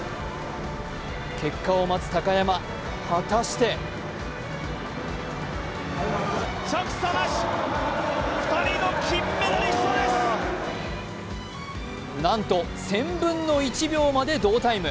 結果を待つ高山、果たしてなんと１０００分の１秒まで同タイム。